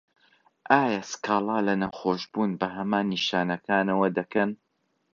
ئایا سکاڵا له نەخۆشبوون بە هەمان نیشانەکانەوه دەکەن؟